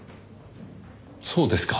そうですか。